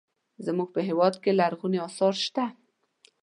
زموږ په هېواد کې لرغوني اثار شته.